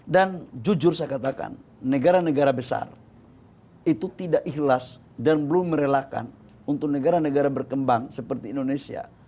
dan jujur saya katakan negara negara besar itu tidak ikhlas dan belum merelakan untuk negara negara berkembang seperti indonesia